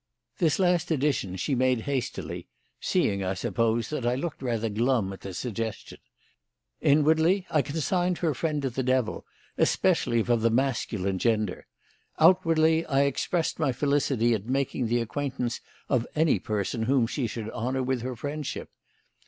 This last addition she made hastily, seeing, I suppose, that I looked rather glum at the suggestion. Inwardly I consigned her friend to the devil, especially if of the masculine gender; outwardly I expressed my felicity at making the acquaintance of any person whom she should honour with her friendship.